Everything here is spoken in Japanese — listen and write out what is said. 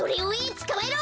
つかまえろ！